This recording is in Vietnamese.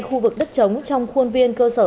khu vực đất chống trong khuôn viên cơ sở